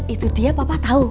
itu dia papa tau